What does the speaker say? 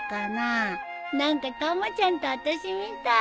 何かたまちゃんとあたしみたい。